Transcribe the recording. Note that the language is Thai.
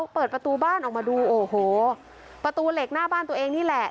เปิดประตูบ้านออกมาดูโอ้โหประตูเหล็กหน้าบ้านตัวเองนี่แหละ